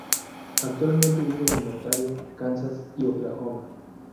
Actualmente viven en Ontario, Kansas, y Oklahoma.